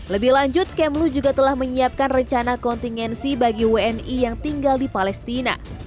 lebih lanjut kemlu juga telah menyiapkan rencana kontingensi bagi wni yang tinggal di palestina